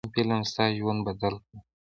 کوم فلم ستا ژوند بدل کړ.